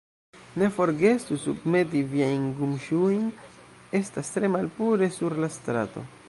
Ne forgesu surmeti viajn gumŝuojn; estas tre malpure sur la strato.